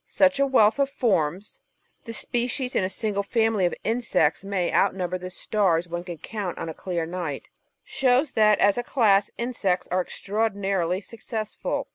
Such a wealth of forms — ^the species in a single family of insects may outnumber the stars one can count on a clear night — shows that, as a class, Insects are extraordinarily successful.